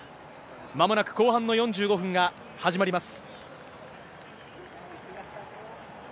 まもなく後半の４５分が始まります。